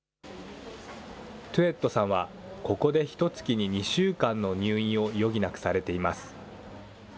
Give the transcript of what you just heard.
トゥエットさんは、ここでひとつきに２週間の入院を余儀なくされています。